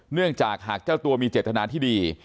เนื่องจากหากเจ้าตัวมีเจตนาที่ดี